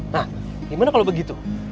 nah gimana kalau begitu